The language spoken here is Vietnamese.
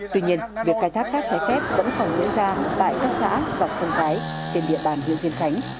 tuy nhiên việc khai thác cát trái phép vẫn không diễn ra tại các xã và sông cái trên địa bàn huyện dinh thánh